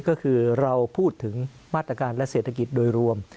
ก็คือเราพูดถึงมาตรการและเศรษฐกิจโดยรวม